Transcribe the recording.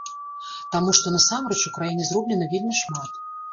Таму што насамрэч у краіне зроблена вельмі шмат.